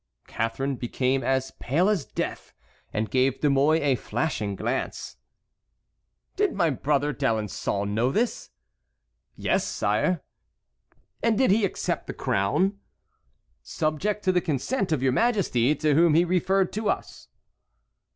Catharine became as pale as death, and gave De Mouy a flashing glance. "Did my brother D'Alençon know this?" "Yes, sire." "And did he accept the crown?" "Subject to the consent of your Majesty, to whom he referred us."